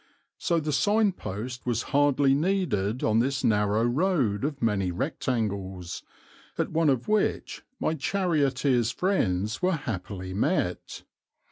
So the sign post was hardly needed on this narrow road of many rectangles, at one of which my charioteer's friends were happily met.